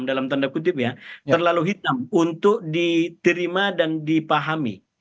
dalam tanda kutip ya terlalu hitam untuk diterima dan dipahami